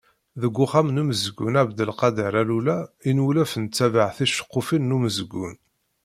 Deg Uxxam n umezgun Ɛebdelkader Allula i nwulef nettabaɛ ticeqqufin n umezgun.